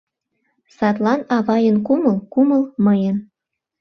Садлан авайын кумыл — кумыл мыйын.